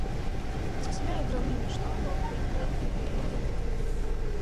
Засяляе драўніну штамбаў, пянькоў і галінак.